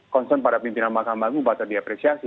konsen para pimpinan makam agung patut diapresiasi